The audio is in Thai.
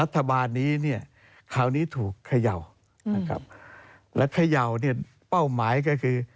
ที่เป้าหมายก็คือ